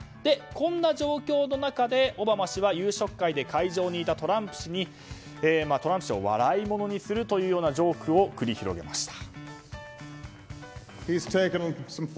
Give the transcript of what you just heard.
こんな状況の中でオバマ氏は夕食会で会場にいたトランプ氏にトランプ氏を笑いものにするというジョークを繰り広げました。